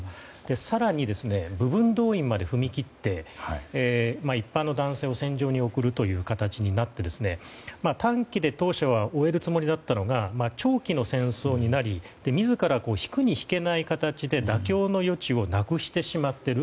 更に部分動員まで踏み切って一般の男性を戦場に送るという形になって短期で当初は終えるつもりだったのが長期の戦争になり自ら引くに引けなくなって妥協の余地をなくしてしまっている。